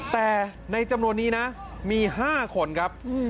แต่ในจำนวนนี้นะมี๕คนครับ